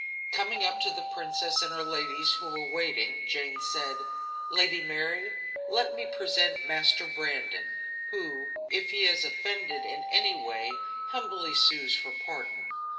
Coming up to the princess and her ladies, who were waiting, Jane said: "Lady Mary, let me present Master Brandon, who, if he has offended in any way, humbly sues for pardon."